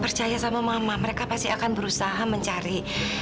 percaya sama mama mereka pasti akan berusaha mencari